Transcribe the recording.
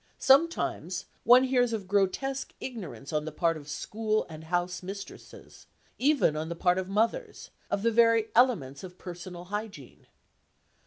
Sometimes one hears of grotesque ignorance on the part of school and house mistresses, even on the part of mothers, of the very elements of personal hygiene.